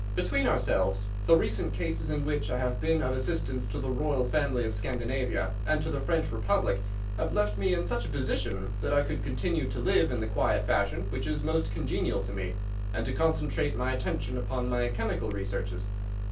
Between ourselves, the recent cases in which I have been of assistance to the royal family of Scandinavia, and to the French republic, have left me in such a position that I could continue to live in the quiet fashion which is most congenial to me, and to concentrate my attention upon my chemical researches.